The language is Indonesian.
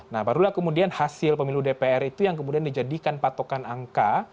nah barulah kemudian hasil pemilu dpr itu yang kemudian dijadikan patokan angka